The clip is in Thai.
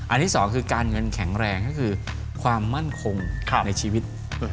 ที่สองคือการเงินแข็งแรงก็คือความมั่นคงในชีวิต